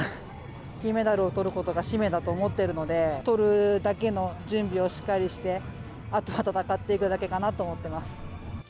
金メダルをとることが使命だと思っているので、とるだけの準備をしっかりして、あとは戦っていくだけかなと思っています。